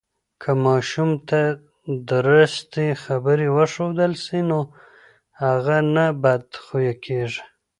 که ماشوم ته درستی خبرې وښودل سي، نو هغه نه بد خویه کیږي.